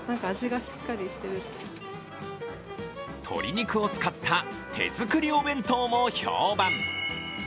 鶏肉を使った手作りお弁当も評判。